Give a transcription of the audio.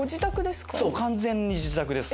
完全に自宅です。